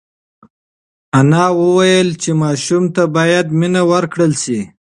انا وویل چې ماشوم ته باید مینه ورکړل شي.